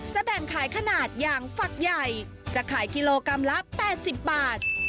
แบ่งขายขนาดอย่างฝักใหญ่จะขายกิโลกรัมละ๘๐บาท